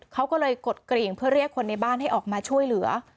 เขาก็เลยกดกริ่งเพื่อเรียกคนในบ้านให้ออกมาช่วยเหลือ